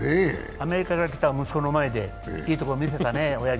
アメリカから来た息子の前でいいところを見せたね。